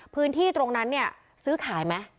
พื้นที่ตรงนั้นเนี่ยซื้อขายไหม